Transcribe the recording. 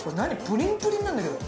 プリンプリンなんだけど。